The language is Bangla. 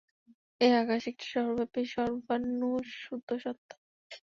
এই আকাশ একটি সর্বব্যাপী সর্বানুস্যূত সত্তা।